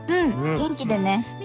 元気でね。